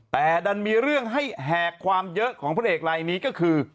แต่ดันมีเรื่องให้แหกความเยอะของพระเอกลายนี้ก็คือ